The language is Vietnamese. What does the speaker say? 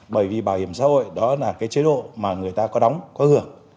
bởi vì bảo hiểm xã hội đó là cái chế độ mà người ta có đóng có hưởng